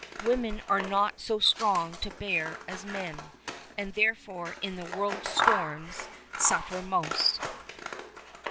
Women are not so strong to bear as men, and therefore in the world's storms suffer most.